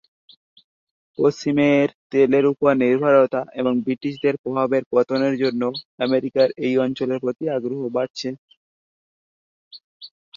পশ্চিমের তেলের উপর নির্ভরতা এবং ব্রিটিশদের প্রভাবের পতনের জন্য আমেরিকার এই অঞ্চলের প্রতি আগ্রহ বাড়ছে।